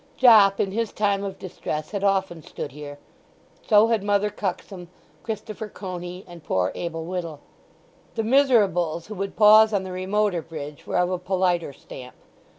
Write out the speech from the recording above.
Jopp in his time of distress had often stood here; so had Mother Cuxsom, Christopher Coney, and poor Abel Whittle. The misérables who would pause on the remoter bridge were of a politer stamp.